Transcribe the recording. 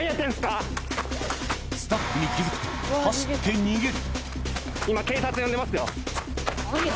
スタッフに気づくと走って逃げる。